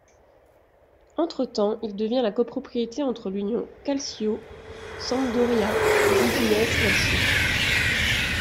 Entre-temps il devient la copropriété entre l'Unione Calcio Sampdoria et l'Udinese Calcio.